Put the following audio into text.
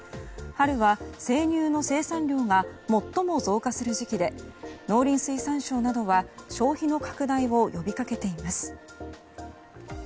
春は生乳の生産量が最も増加する時期で農林水産省などは消費の拡大を呼びかけています。